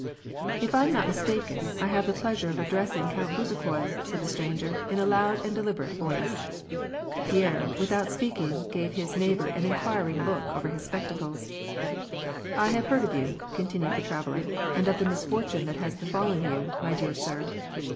"If I am not mistaken, I have the pleasure of addressing Count Bezukhoi," said the stranger, in a loud and deliberate voice. Pierre, without speaking, gave his neighbor an inquiring look over his spectacles. " I have heard of you," continued the traveller, " and of the misfortune that has befallen you, my dear sir."